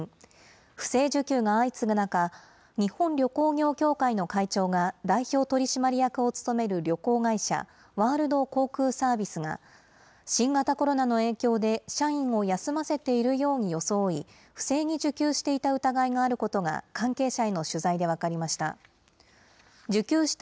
不正受給が相次ぐ中、日本旅行業協会の会長が代表取締役を務める旅行会社、ワールド航空サービスが新型コロナの影響で社員を休ませているように装い、不正に受給していた疑いがあることが関係者への取材で分かりました。